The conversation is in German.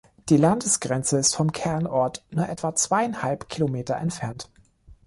Die Landesgrenze ist vom Kernort nur etwa zweieinhalb Kilometer entfernt.